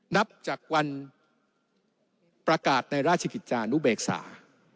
นับจากวันประกาศในราชกิจจานุเบกษา